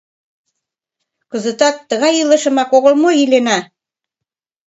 Кызытат тыгай илышымак огыл мо илена?